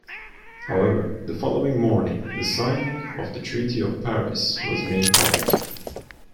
However, the following morning the signing of the Treaty of Paris was made public.